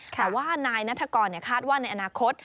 แต่ว่านายนัฐกรคาดว่าในอนาคต